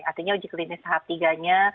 artinya uji klinis tahap tiganya